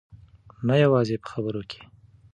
نه یوازې په خبرو کې.